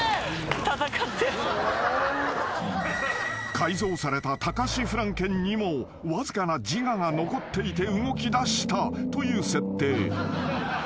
［改造されたタカシフランケンにもわずかな自我が残っていて動きだしたという設定］